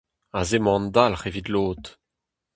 Aze 'mañ an dalc'h evit lod !